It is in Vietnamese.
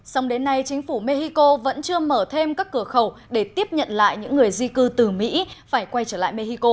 xong đến nay chính phủ mexico vẫn chưa mở thêm các cửa khẩu để tiếp nhận lại những người di cư từ mỹ phải quay trở lại mexico